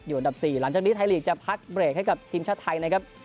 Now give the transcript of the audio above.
อันดับ๔หลังจากนี้ไทยลีกจะพักเบรกให้กับทีมชาติไทยนะครับ